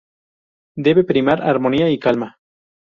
Debe primar armonía y calma.